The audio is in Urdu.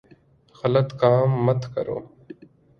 غلط کام مت کرو ـ